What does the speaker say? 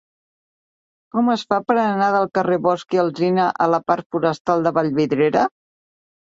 Com es fa per anar del carrer de Bosch i Alsina a la parc Forestal de Vallvidrera?